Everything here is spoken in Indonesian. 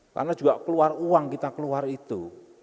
karena juga keluar uang kita keluar itu